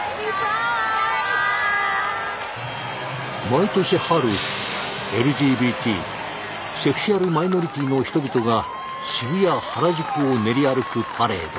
毎年春ＬＧＢＴセクシュアルマイノリティの人々が渋谷・原宿を練り歩くパレード。